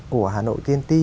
của hà nội tnt